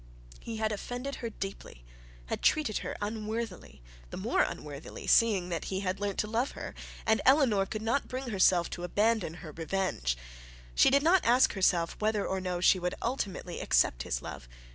He had offended her deeply, had treated her unworthily, the more unworthily seeing that he had learnt to love her, and Eleanor could not bring herself to abandon her revenge. She did not ask herself whether or no she would ultimately accept his love.